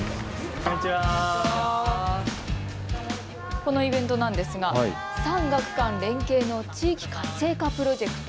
このイベントなんですが、産学官連携の地域活性化プロジェクト。